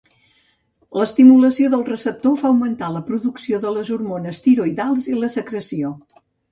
L'estimulació del receptor fa augmentar la producció de les hormones tiroïdals i la secreció.